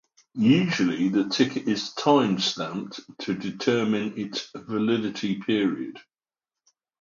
Usually, the ticket is time-stamped to determine its validity period.